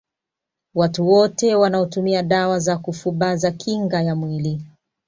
Watu wote wanaotumia dawa za kufubaza kinga ya mwili